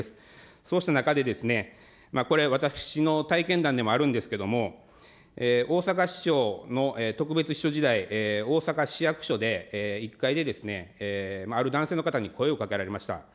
そうした中で、これ、私の体験談でもあるんですけれども、大阪市長の特別秘書時代、大阪市役所で、１階で、ある男性の方に声をかけられました。